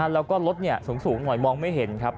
แล้วก็รถสูงหน่อยมองไม่เห็นครับ